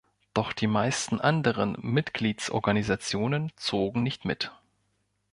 Doch die meisten anderen Mitgliedsorganisationen zogen nicht mit.